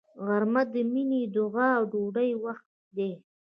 غرمه د مینې، دعا او ډوډۍ وخت دی